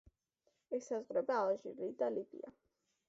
ესაზღვრება ალჟირი და ლიბია.